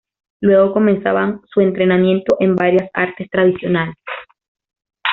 Luego comenzaban su entrenamiento en varias artes tradicionales.